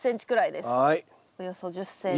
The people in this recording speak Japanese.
およそ１０ｃｍ。